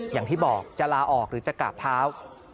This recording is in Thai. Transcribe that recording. อย่างที่บอกจะลาออกหรือจะกราบเท้า